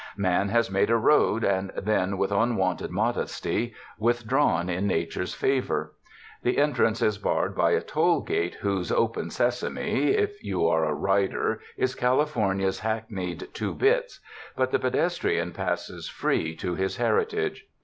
Man has made a road and then, with unwonted modesty, withdrawn in Nature's favor. The entrance is barred by a toll gate whose ''open sesame," if you are a rider, is California's hackneyed ''two bits"; but the pedestrian passes free to his heritage.